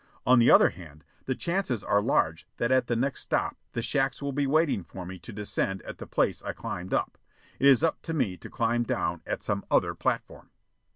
On the other hand, the chances are large that at the next stop the shacks will be waiting for me to descend at the place I climbed up. It is up to me to climb down at some other platform.